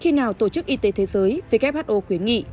khi nào tổ chức y tế thế giới who khuyến nghị